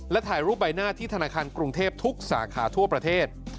และถ่ายรูปใบหน้าที่ธนาคารกรุงเทพทุกสาขาทั่วประเทศ